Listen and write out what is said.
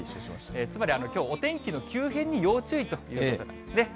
つまりきょう、お天気の急変に要注意ということなんですね。